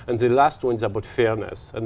nếu bạn là một nhà hàng